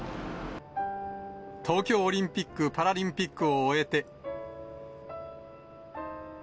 東京オリンピック・パラリンピックを終えて。